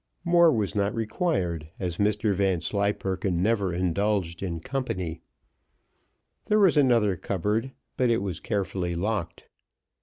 More was not required, as Mr Vanslyperken never indulged in company. There was another cupboard, but it was carefully locked.